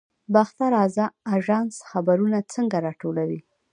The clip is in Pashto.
باختر اژانس خبرونه څنګه راټولوي؟